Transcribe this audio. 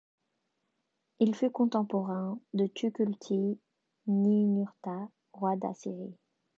Il fut contemporain de Tukulti-Ninurta, roi d'Assyrie.